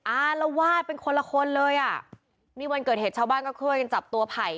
อารวาสเป็นคนละคนเลยอ่ะนี่วันเกิดเหตุชาวบ้านก็ช่วยกันจับตัวไผ่